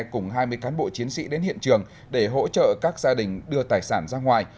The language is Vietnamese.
cùng hai mươi cán bộ chiến sĩ đến hiện trường để hỗ trợ các gia đình đưa tài sản ra ngoài